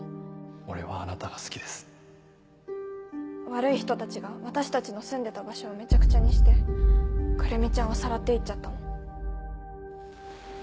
俺はあなたが好きです悪い人たちが私たちの住んでた場所をめちゃくちゃにして来美ちゃんをさらっていっちゃったの。